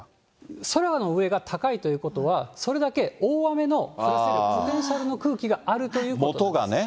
空の上が高いということは、それだけ大雨の降らせるポテンシャルの空気があるということ。